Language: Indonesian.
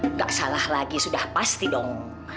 nggak salah lagi sudah pasti dong